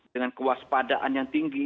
dengan kewaspadaan yang tinggi